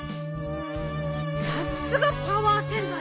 さすがパワー洗ざい！